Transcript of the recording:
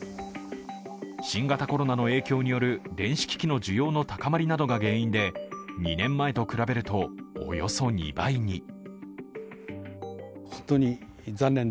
新型コロナの影響による電子機器の需要の高まりなどが原因で２年前と比べると、およそ２倍に。